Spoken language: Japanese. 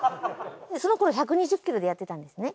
その頃１２０キロでやってたんですね。